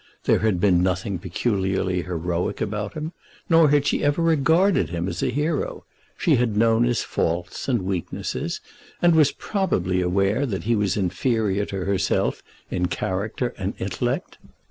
There had been nothing peculiarly heroic about him, nor had she ever regarded him as a hero. She had known his faults and weaknesses, and was probably aware that he was inferior to herself in character and intellect.